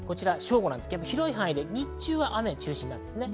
正午ですが広い範囲で日中は雨が中心です。